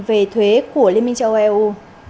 về thuế của liên minh châu âu